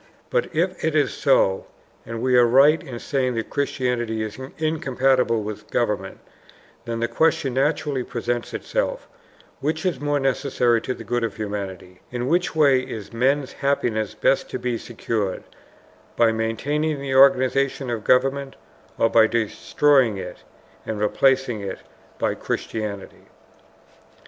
But if it is so, and we are right in saying that Christianity is incompatible with government, then the question naturally presents itself: which is more necessary to the good of humanity, in which way is men's happiness best to be secured, by maintaining the organization of government or by destroying it and replacing it by Christianity?